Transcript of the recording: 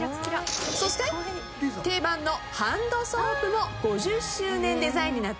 そして定番のハンドソープも５０周年デザインになっています。